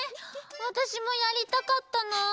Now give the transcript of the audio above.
わたしもやりたかったな。